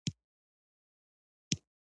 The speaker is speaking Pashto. زه د کانکریټ شاته پټ شوم او سنایپر معلوم نه و